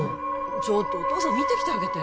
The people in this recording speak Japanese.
ちょっとお父さん見てきてあげて・